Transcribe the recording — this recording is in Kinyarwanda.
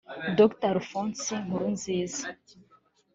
Dr Alphonse Nkurunziza